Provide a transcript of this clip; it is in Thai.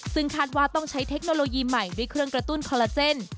ซึ่งคาดว่าต้องใช้เทคโนโลยีใหม่ด้วยเครื่องกระตุ้นคอลลาเจน